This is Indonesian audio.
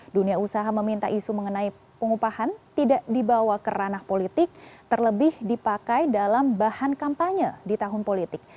dunia usaha meminta isu mengenai pengupahan tidak dibawa ke ranah politik terlebih dipakai dalam bahan kampanye di tahun politik